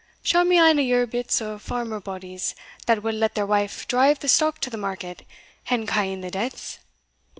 Show me ane o' yer bits o' farmer bodies that wad let their wife drive the stock to the market, and ca' in the debts.